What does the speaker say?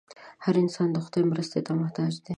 هر انسان د خدای مرستې ته محتاج دی.